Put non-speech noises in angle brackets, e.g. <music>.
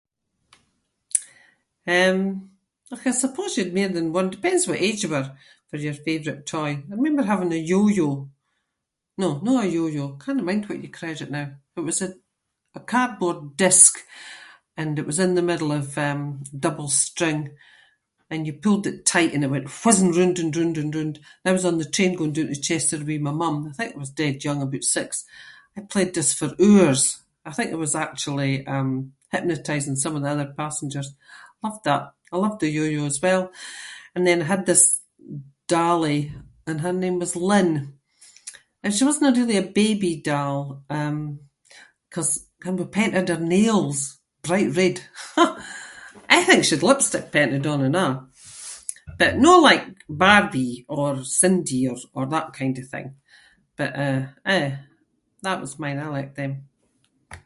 Um, och I suppose you had mair than one- it depends what age you were for your favourite toy. I remember having a yo-yo- no, no a yo-yo. I cannae mind what you cried it now but it was a- a cardboard disk and it was in the middle of, um, double string and you pulled it tight and it went whizzing roond and roond and roond. I was on the train going doon to Chester with my mum- I think I was dead young, aboot six. I played this for hours. I think I was actually, um, hypnotising some of the other passengers. Loved that. I loved the yo-yo as well and then I had this dolly and her name was Lynn and she wasnae really a baby doll, um, ‘cause ken we painted her nails bright red. <laughs> I think she had lipstick painted on and a’. But no like Barbie or Cindy or- or that kind of thing but, eh, that was mine- I liked them.